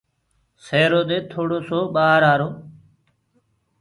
سيرو دي ٿوڙو سو ڀآهر آرو۔